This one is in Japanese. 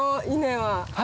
はい！